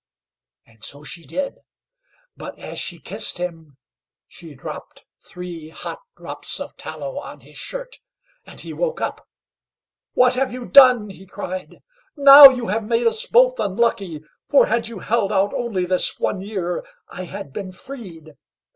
And so she did; but as she kissed him, she dropped three hot drops of tallow on his shirt, and he woke up. "What have you done?" he cried; "now you have made us both unlucky, for had you held out only this one year, I had been freed.